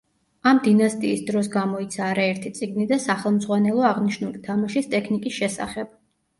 ამ დინასტიის დროს გამოიცა არაერთი წიგნი და სახელმძღვანელო აღნიშნული თამაშის ტექნიკის შესახებ.